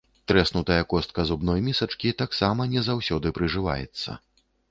Трэснутая костка зубной місачкі таксама не заўсёды прыжываецца.